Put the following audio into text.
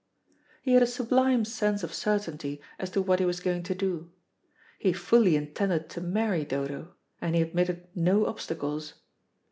He had a sublime sense of certainty as to what he was going to do. He fully intended to marry Dodo, and he admitted no obstacles.